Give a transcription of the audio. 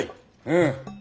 うん。